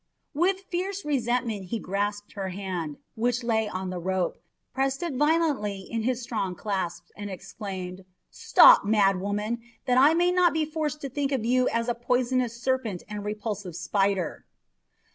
With fierce resentment he grasped her hand, which lay on the rope, pressed it violently in his strong clasp, and exclaimed, "Stop, mad woman, that I may not be forced to think of you as a poisonous serpent and repulsive spider!"